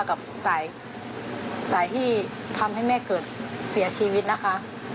กับสายที่ทำให้แม่เกิดเสียชีวิตนะคะ